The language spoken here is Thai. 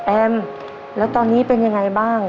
แล้วตอนนี้เป็นยังไงบ้าง